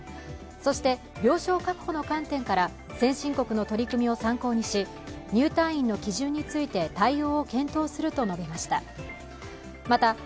そして病床確保の観点から先進国の取り組みを参考にし入退院の基準について対応を検討すると述べました。